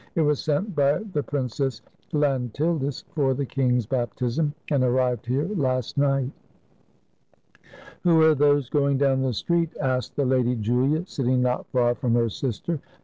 It was sent by the Prin cess Llantildis for the king's baptism, and arrived here last night." "Who are those going down the street?" asked the Lady Julia, sitting not far from her sister.